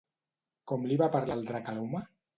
Com li va parlar el drac a l'home?